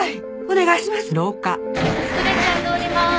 ストレッチャー通ります。